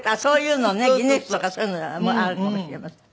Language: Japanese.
ギネスとかそういうのあるかもしれません。